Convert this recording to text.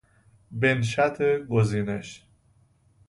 بنشت گزینش